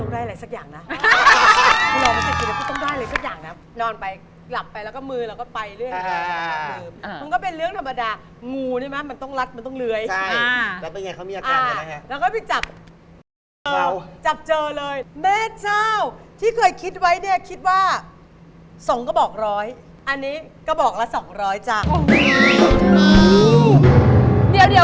เดี๋ยวคุณเป็นอะไรคุณออฟคุณออฟเดี๋ยวก็ลืมอะไร